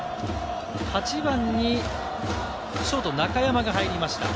８番にショート・中山が入りました。